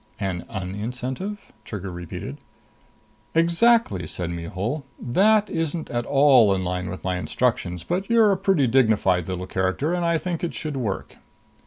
"An un incentive?" Trigger repeated. "Exactly," said Mihul. "That isn't at all in line with my instructions. But you're a pretty dignified little character, and I think it should work."